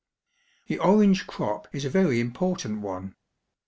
The orange crop is a very important one.